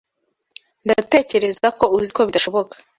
Ndatekereza ko uzi ko bidashoboka.